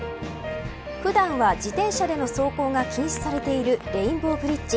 普段は、自転車での走行が禁止されているレインボーブリッジ。